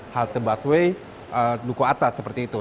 halte busway duku atas seperti itu